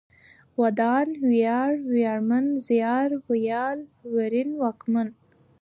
ودان ، وياړ ، وياړمن ، زيار، ويال ، ورين ، واکمن